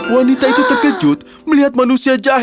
wanita itu terkejut melihat manusia jahe berlarang